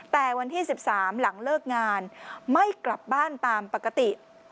แต่วันที่๑๓หลังเลิกงานไม่กลับบ้านตามปกติ